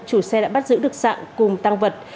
chủ xe đã bắt giữ được sạng cùng tăng vật